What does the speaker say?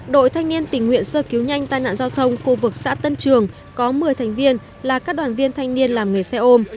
đội thanh niên tình nguyện sơ cứu nhanh tai nạn giao thông khu vực xã tân trường có một mươi thành viên là các đoàn viên thanh niên làm nghề xe ôm